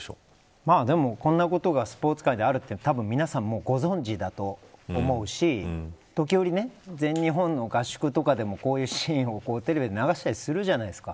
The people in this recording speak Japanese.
こんなことがスポーツ界であることは皆さんもご存じだと思うし時折全日本の合宿とかでもこういうシーンをテレビで流したりするじゃないですか。